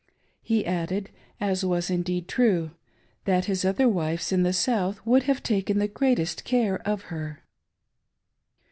He added^as was indeed true — that his other wives in the South would have taken the greatest care of her.